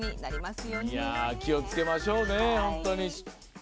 気をつけましょうね本当に。